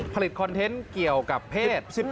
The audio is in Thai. คอนเทนต์เกี่ยวกับเพศ๑๑